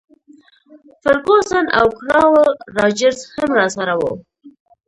فرګوسن او کراول راجرز هم راسره وو.